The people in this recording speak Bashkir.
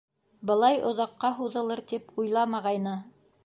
Былай оҙаҡҡа һуҙылыр тип уйламағайны.